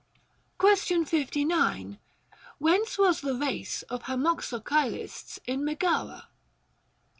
Question 59. Whence was the race of Hamaxocylists in Megara?